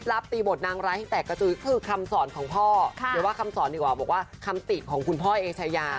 เดี๋ยวว่าคำสอนดีกว่าบอกว่าคำติดของคุณพ่อเอเชยา